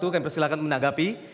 kami persilahkan menanggapi